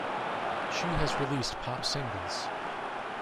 She has released pop singles.